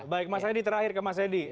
baik mas hedi terakhir ke mas hedi